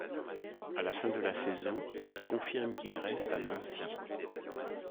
À la fin de la saison, il confirme qu'il reste à Nancy.